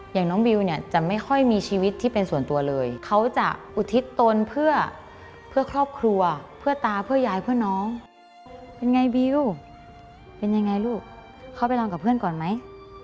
อย่างน้องบิวเนี่ยจะไม่ค่อยมีชีวิตที่เป็นส่วนตัวเลยเขาจะอุทิศตนเพื่อครอบครัวเพื่อตาเพื่อยายเพื่อน้องเป็นไงบิวเป็นยังไงลูกเขาไปนอนกับเพื่อนก่อนไหม